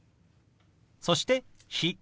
そして「日」。